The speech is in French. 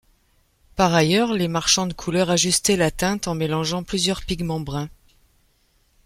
Par ailleurs, les marchands de couleur ajustaient la teinte en mélangeant plusieurs pigments bruns.